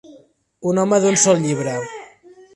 Un home d'un sol llibre.